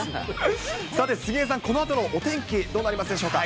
さて、杉江さん、このあとのお天気、どうなりますでしょうか。